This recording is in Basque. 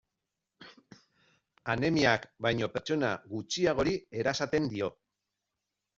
Anemiak baino pertsona gutxiagori erasaten dio.